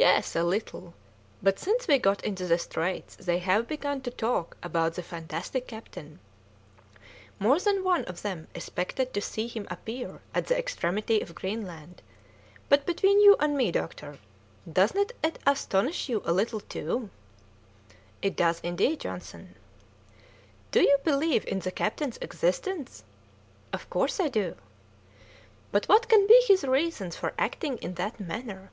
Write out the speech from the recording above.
"Yes, a little; but since we got into the Straits they have begun to talk about the fantastic captain; more than one of them expected to see him appear at the extremity of Greenland; but between you and me, doctor, doesn't it astonish you a little too?" "It does indeed, Johnson." "Do you believe in the captain's existence?" "Of course I do." "But what can be his reasons for acting in that manner?"